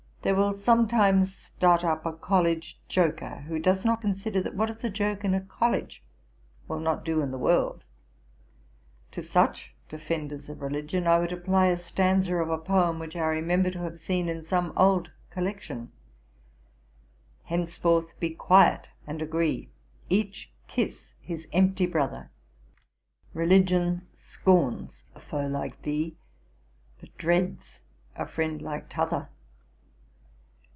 There will sometimes start up a College joker, who does not consider that what is a joke in a College will not do in the world. To such defenders of Religion I would apply a stanza of a poem which I remember to have seen in some old collection: "Henceforth be quiet and agree, Each kiss his empty brother; Religion scorns a foe like thee, But dreads a friend like t'other."